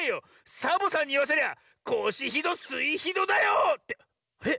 サボさんにいわせりゃ「コシひど」「スイひど」だよっ！ってえっ？